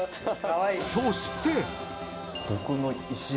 そして。